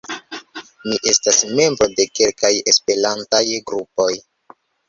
Mi estas membro de kelkaj Esperantaj grupoj.